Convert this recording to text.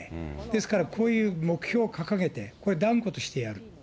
ですからね、こういう目標を掲げて、これ、断固としてやる。